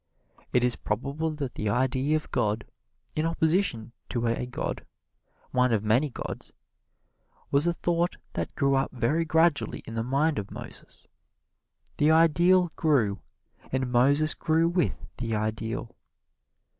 It is probable that the idea of God in opposition to a god, one of many gods was a thought that grew up very gradually in the mind of Moses. The ideal grew, and Moses grew with the ideal.